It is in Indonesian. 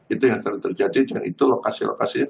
itu yang terjadi dan itu lokasi lokasi